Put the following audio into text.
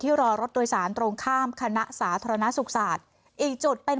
รอรถโดยสารตรงข้ามคณะสาธารณสุขศาสตร์อีกจุดเป็น